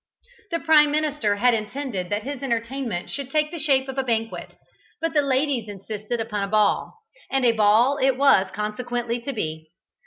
The Prime Minister had intended that his entertainment should take the shape of a banquet; but the ladies insisted upon a ball, and a ball it was consequently to be.